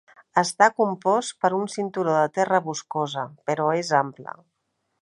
Està compost per un cinturó de terra boscosa, però és ample.